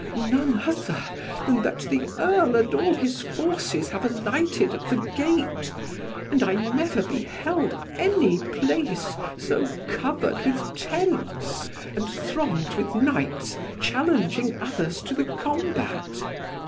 "None other, than that the earl and all his forces have alighted at the gate, and I never beheld any place so covered with tents, and thronged with knights challenging others to the combat."